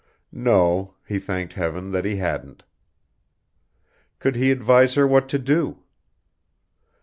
No, he thanked Heaven that he hadn't. Could he advise her what to do?